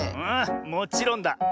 ああもちろんだ！